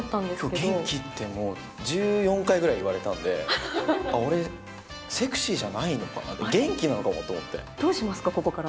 きょう、元気ってもう、１４回ぐらい言われたんで、俺、セクシーじゃないのかな、どうしますか、ここから。